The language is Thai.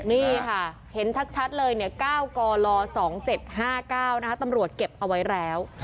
นี่ค่ะเห็นชัดเลย๙กล๒๗๕๙ตำรวจเก็บเอาไว้แล้ว